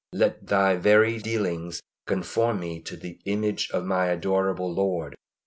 Let Thy varied dealings conform me to the image of my adorable Lord.